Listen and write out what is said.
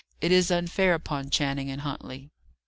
It is unfair upon Channing and Huntley."